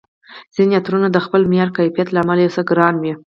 ځیني عطرونه د خپل معیار، کیفیت له امله یو څه ګران وي